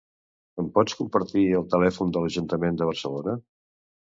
Em pots compartir el telèfon de l'Ajuntament de Barcelona?